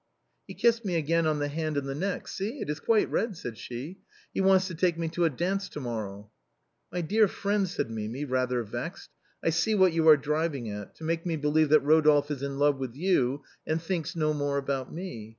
" He kissed me again on the hand and the neck ; see it is quite red," said she. " He wants to take me to a dance to morrow." " My dear friend," said Mimi, rather vexed, " I see what you are driving at, to make me believe that Rodolphe is in love with you and thinks no more about me.